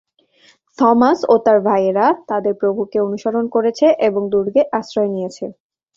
Thomas ও তার ভাইয়েরা তাদের প্রভুকে অনুসরণ করেছে এবং দুর্গে আশ্রয় নিয়েছে।